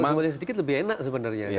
kalau jumlahnya sedikit lebih enak sebenarnya ya